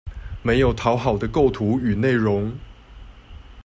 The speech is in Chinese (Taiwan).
沒有討好的構圖與內容